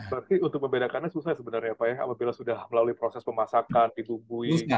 berarti untuk membedakannya susah sebenarnya pak ya apabila sudah melalui proses pemasakan digumbui gitu pak ya